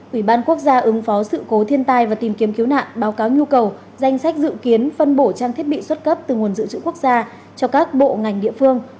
ủy ban quốc gia ứng phó sự cố thiên tai và tìm kiếm cứu nạn báo cáo nhu cầu danh sách dự kiến phân bổ trang thiết bị xuất cấp từ nguồn dự trữ quốc gia cho các bộ ngành địa phương